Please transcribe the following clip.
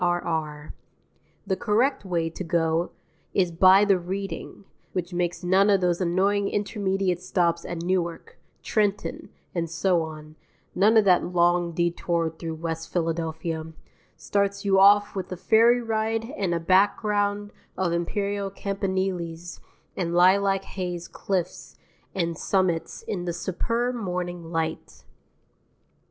R.R. The correct way to go is by the Reading, which makes none of those annoying intermediate stops at Newark, Trenton, and so on, none of that long detour through West Philadelphia, starts you off with a ferry ride and a background of imperial campaniles and lilac hazed cliffs and summits in the superb morning light.